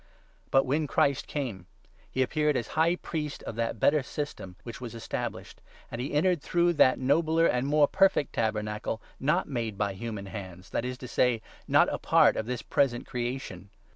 But, when Christ came, he appeared as High n *• •••«ard« Priest of that Better System which was "'iTuHty!*0 established ; and he entered through that nobler and more perfect ' Tabernacle,' not made by human hands— that is to say, not a part of this present crea tion.